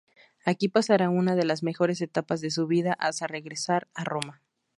Aquí pasará una de las mejores etapas de su vida hasta regresar a Roma.